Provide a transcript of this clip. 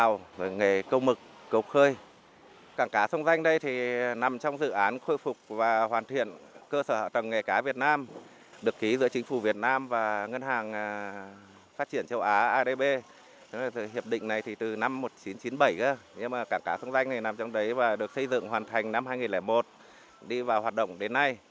ở càng cá xung quanh chúng tôi ở đây thì chủ yếu là phục vụ cho các con cá